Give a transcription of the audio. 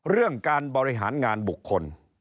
เรื่องการบริหารงานบุคคล